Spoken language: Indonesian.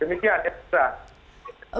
demikian ya tastral